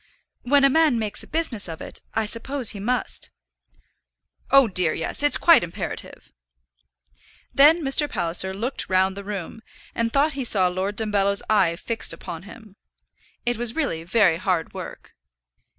"When a man makes a business of it, I suppose he must." "Oh, dear, yes; it's quite imperative." Then Mr. Palliser looked round the room, and thought he saw Lord Dumbello's eye fixed upon him. It was really very hard work.